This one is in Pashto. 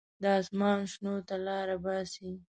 د اسمان شنو ته لاره باسي.